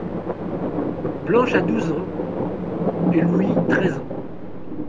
Blanche a douze ans et Louis treize ans.